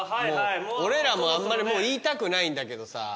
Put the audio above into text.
俺らもあんまりもう言いたくないんだけどさ。